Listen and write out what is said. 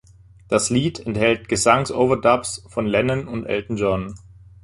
Das Lied enthält Gesangsoverdubs von Lennon und Elton John.